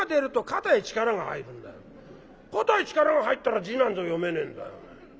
肩に力が入ったら字なんぞ読めねえんだよ」。